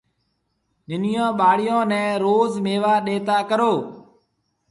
ننيون ٻاݪون نَي روز ميوا ڏَيتا ڪرو۔